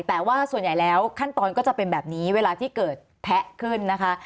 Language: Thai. แต่ว่าส่วนใหญ่แล้วขั้นตอนก็จะเป็นแบบนี้เวลาที่เกิดแพะขึ้นนะคะ